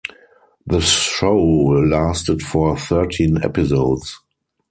The show lasted for thirteen episodes.